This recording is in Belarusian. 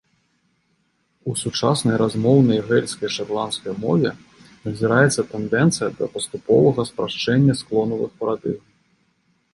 У сучаснай размоўнай гэльскай шатландскай мове назіраецца тэндэнцыя да паступовага спрашчэння склонавых парадыгм.